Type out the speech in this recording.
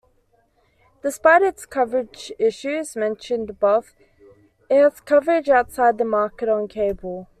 Despite its coverage issues mentioned above, it has coverage outside the market on cable.